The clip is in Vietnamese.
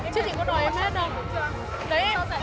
chứ chị có nói em hết đâu